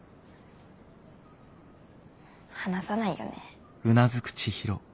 話さないよね。